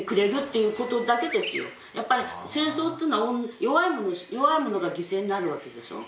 やっぱり戦争っていうのは弱い者が犠牲になるわけでしょう。